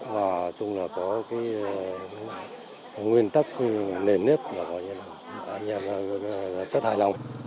và trong là có cái nguyên tắc nền nếp gọi như là chất hài lòng